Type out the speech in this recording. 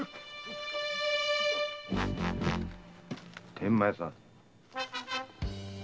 ・天満屋さん。